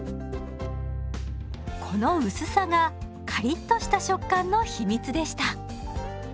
この薄さがカリッとした食感の秘密でした。